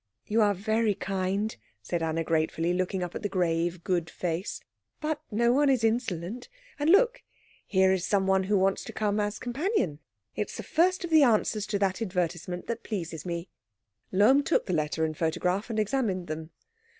"You are very kind," said Anna gratefully, looking up at the grave, good face, "but no one is insolent. And look here is some one who wants to come as companion. It is the first of the answers to that advertisement that pleases me." Lohm took the letter and photograph and examined them.